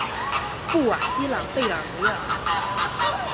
布瓦西朗贝尔维尔。